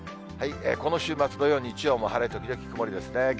この週末、土曜、日曜も晴れ時々曇りですね。